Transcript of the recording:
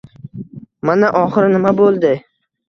Mana, oxiri nima bo‘ldi...